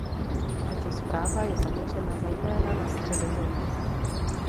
Tato zpráva je zaměřena zejména na Středozemí.